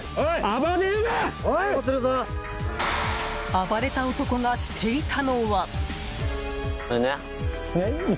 暴れた男がしていたのは。